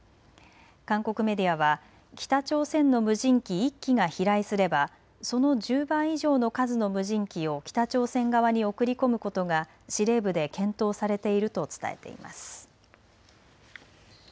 韓国メディアは北朝鮮の無人機１機が飛来すればその１０倍以上の数の無人機を北朝鮮側に送り込むことが司令部で検討されていると伝えています。